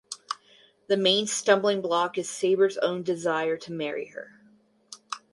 The main stumbling block is Saber’s own desire to marry her.